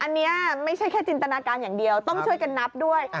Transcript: อันนี้ไม่ใช่แค่จินตนาการอย่างเดียวต้องช่วยกันนับด้วย